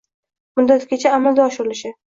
muddatgacha amalga oshirilishi;